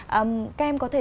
các em có thể